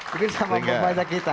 mungkin sama berbaca kita